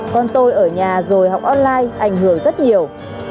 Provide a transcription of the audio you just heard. con tôi ở nhà rồi học online ảnh hưởng rất nhiều